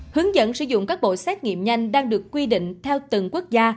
hướng dẫn sử dụng các bộ xét nghiệm nhanh đang được quy định theo từng quốc gia